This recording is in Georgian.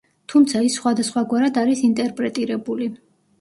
თუმცა ის სხვადასხვაგვარად არის ინტერპრეტირებული.